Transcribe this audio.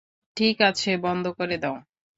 ঠিক আছে, বন্ধ করে দাও!